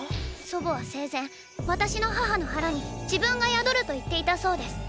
祖母は生前私の母の腹に自分が宿ると言っていたそうです。